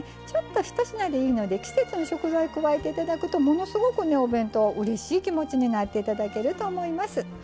ちょっと１品でいいので季節の食材加えて頂くとものすごくねお弁当うれしい気持ちになって頂けると思います。